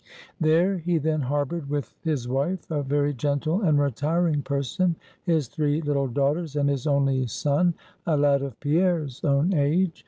There, he then harbored with his wife, a very gentle and retiring person, his three little daughters, and his only son, a lad of Pierre's own age.